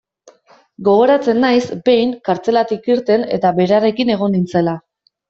Gogoratzen naiz, behin, kartzelatik irten eta berarekin egon nintzela.